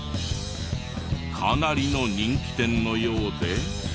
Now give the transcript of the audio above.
かなりの人気店のようで。